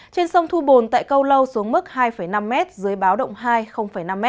trên sông thu bồn tại câu lâu xuống mức hai năm m dưới báo động hai năm m